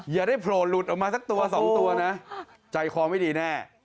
อย่าได้โผล่หลุดออกมาสักตัวสองตัวนะใจคอไม่ดีแน่